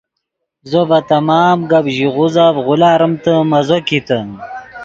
زو ڤے تمام گپ ژیغوزف غولاریمتے مزو کیتے